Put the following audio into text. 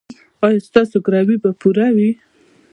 ایا ستاسو ګروي به پوره وي؟